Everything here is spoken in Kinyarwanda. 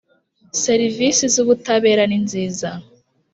Serivisi z Ubutabera ninziza